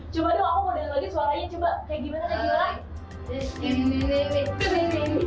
coba dong aku mau denger lagi suaranya coba kayak gimana nih gimana